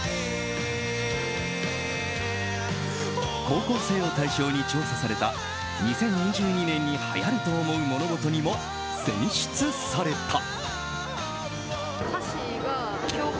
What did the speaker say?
高校生を対象に調査された２０２２年にはやると思う物事にも選出された。